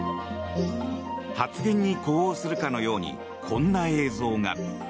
発言に呼応するかのようにこんな映像が。